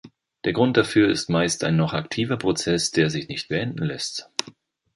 Der Grund dafür ist meist ein noch aktiver Prozess, der sich nicht beenden lässt.